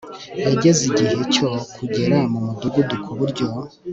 yageze igihe cyo kugera mu mudugudu ku buryo